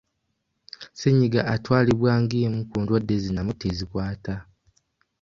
Ssenyiga atawlibwa ng'emu ku ndwadde zinnamutta ezikwata.